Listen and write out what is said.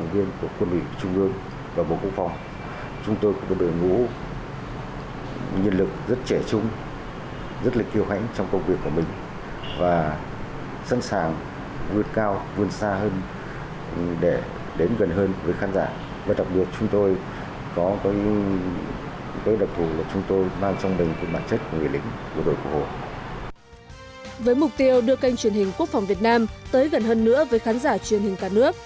với mục tiêu đưa kênh truyền hình quốc phòng việt nam tới gần hơn nữa với khán giả truyền hình cả nước